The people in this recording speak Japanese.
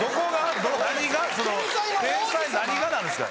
何がなんですか？